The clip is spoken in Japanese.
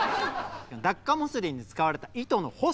ダッカモスリンに使われた糸の細さ